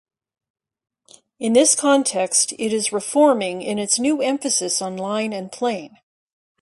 In this context it is reforming in its new emphasis on line and plane.